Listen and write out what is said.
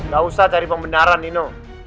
gak usah cari pembenaran nino